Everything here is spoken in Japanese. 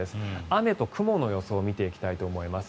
雨と雲の予想を見ていきたいと思います。